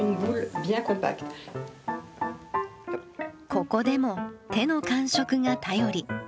ここでも手の感触が頼り。